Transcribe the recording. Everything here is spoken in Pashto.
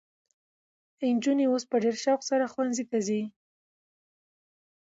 نجونې اوس په ډېر شوق سره ښوونځي ته ځي.